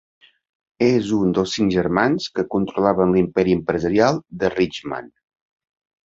És un dels cinc germans que controlaven l'imperi empresarial de Reichmann.